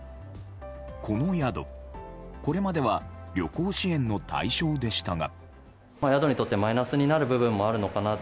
この宿、これまでは旅行支援の対象でしたが。